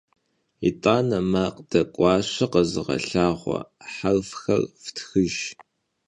Yit'ane makh dek'uaşşe khezığelhağue herfxer ftxıjj!